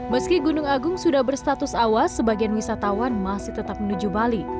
meski gunung agung sudah berstatus awas sebagian wisatawan masih tetap menuju bali